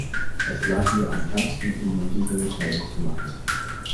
Es lag mir am Herzen, Ihnen diese Mitteilung zu machen.